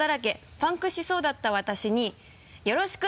「パンクしそうだった私によろしく！